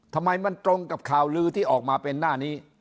ทำไมมันตรงกับข่าวลือที่ออกมาเป็นหน้านี้